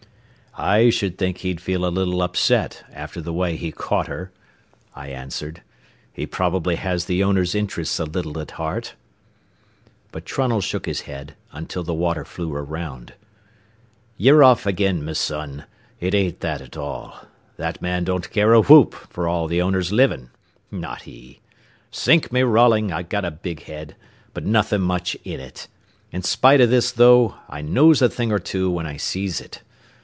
"I should think he'd feel a little upset after the way he caught her," I answered; "he probably has the owners' interests a little at heart." But Trunnell shook his head until the water flew around. "Ye're off agin, me son. It ain't that at all. That man don't care a whoop for all the owners livin'. Not he. Sink me, Rolling, I got a big head, but nothin' much in it; in spite o' this, though, I knows a thing or two when I sees it.